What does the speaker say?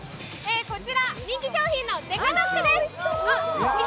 こちら人気商品のデカドックです。